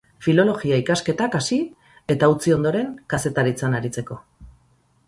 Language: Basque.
Filologia ikasketak hasi eta utzi ondoren, kazetaritzan aritzeko.